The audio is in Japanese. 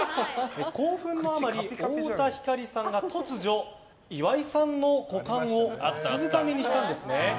興奮のあまり、太田光さんが突如、岩井さんの股間をわしづかみにしたんですね。